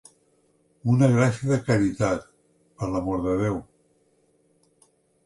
Una gràcia de caritat, per l'amor de Déu.